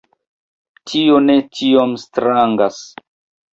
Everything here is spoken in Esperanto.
Tio ne tiom strangas.